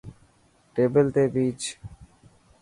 ٽيبل تي ڀيچ.